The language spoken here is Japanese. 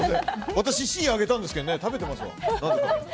私、Ｃ挙げたんですけどねなぜか食べてますわ。